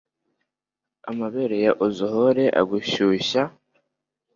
amabere ye azahore agushyushya